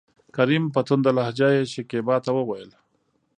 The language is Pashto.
کريم : په تنده لهجه يې شکيبا ته وويل: